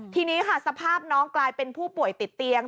ทีนี้ค่ะสภาพน้องกลายเป็นผู้ป่วยติดเตียง